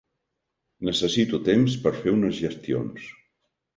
Necessito temps per fer unes gestions.